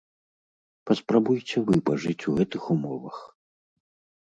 Паспрабуйце вы пажыць у гэтых умовах.